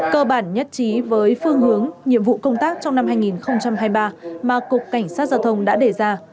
cơ bản nhất trí với phương hướng nhiệm vụ công tác trong năm hai nghìn hai mươi ba mà cục cảnh sát giao thông đã đề ra